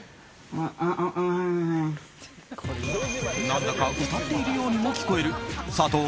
何だか歌っているようにも聞こえる佐藤